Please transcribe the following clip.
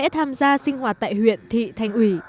tham gia sinh hoạt tại huyện thị thanh ủy